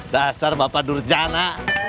dasar bapak durjana